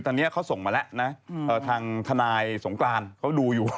ตอนนี้เขาส่งมาแล้วนะทางทนายสงกรานเขาดูอยู่